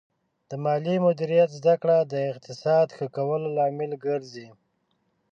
د مالي مدیریت زده کړه د اقتصاد ښه کولو لامل ګرځي.